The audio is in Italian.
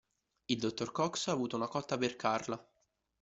Il dottor Cox ha avuto una cotta per Carla.